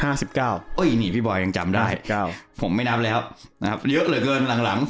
๕๙นาทีโอ้ยนี่พี่บอยยังจำได้๕๙นาทีผมไม่นับแล้วนะครับเยอะเหลือเกินหลัง